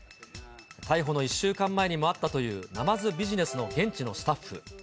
逮捕の１週間前にも会ったというナマズビジネスの現地のスタッフ。